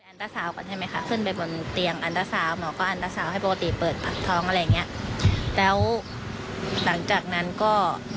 แล้วหลังจากนั้นก็